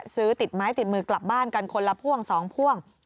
ซื้อติดไม้ติดมือกลับบ้านกันคนละพ่วง๒พ่วง